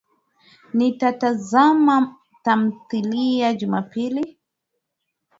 Nitatazama tamthilia Jumapili